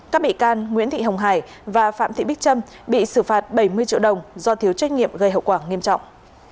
các bị can nguyễn thị hồng hải và phạm thị bích trâm bị xử phạt bảy mươi triệu đồng do thiếu trách nhiệm gây hậu quả nghiêm trọng